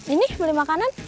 ini beli makanan